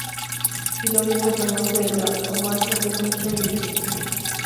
Y la única farmacia de la comarca se encuentra en Beteta.